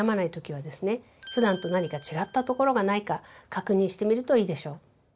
普段と何か違ったところがないか確認してみるといいでしょう。